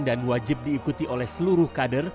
dan wajib diikuti oleh seluruh kader